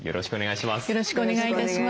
よろしくお願いします。